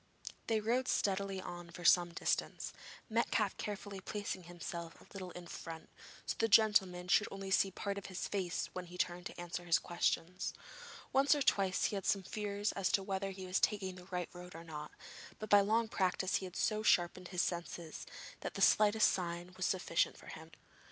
They rode steadily on for some distance, Metcalfe carefully placing himself a little in front, so that the gentleman should only see part of his face when he turned to answer his questions. Once or twice he had some fears as to whether he was taking the right road or not, but by long practice he had so sharpened his other senses that the slightest sign was sufficient for him.